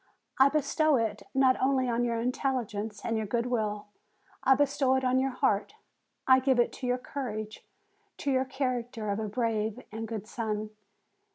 I bestow it not only on your intelligence and your good will; I bestow it on your heart, I give it to your courage, to your character of a brave and good son.